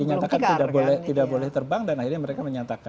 dinyatakan tidak boleh terbang dan akhirnya mereka menyatakan